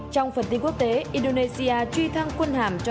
trong phần tin quốc tế indonesia truy thăng quân hàm cho năm mươi ba thủy